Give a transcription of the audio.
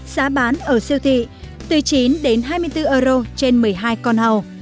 giá bán ở siêu thị tùy chín hai mươi bốn euro trên một mươi hai con hàu